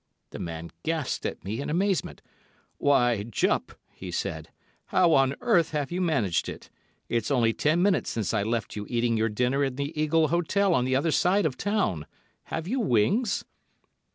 The man gasped at me in amazement. "Why, Jupp," he said, "how on earth have you managed it. It's only ten minutes since I left you eating your dinner in the Eagle Hotel on the other side of the town. Have you wings?"